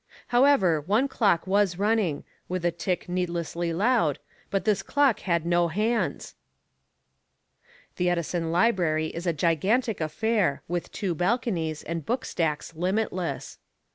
However, one clock was running, with a tick needlessly loud, but this clock had no hands. The Edison Library is a gigantic affair, with two balconies and bookstacks limitless.